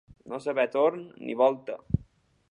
No saber torn ni volta.